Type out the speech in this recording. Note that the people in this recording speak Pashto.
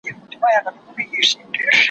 ما د سبا لپاره د هنرونو تمرين کړی دی،